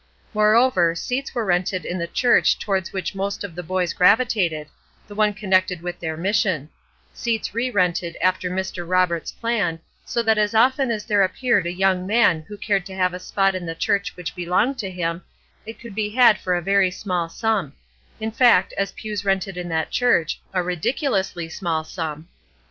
Moreover, seats were rented in the church towards which most of the boys gravitated the one connected with their Mission; seats re rented after Mr. Roberts' plan, so that as often as there appeared a young man who cared to have a spot in the church which belonged to him, it could be had for a very small sum; in fact, as pews rented in that church, a ridiculously small sum.